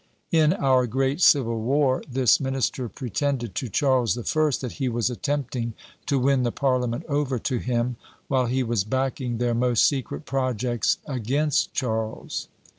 In our great civil war, this minister pretended to Charles the First that he was attempting to win the parliament over to him, while he was backing their most secret projects against Charles.